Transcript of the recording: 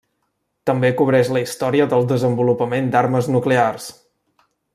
També cobreix la història del desenvolupament d'armes nuclears.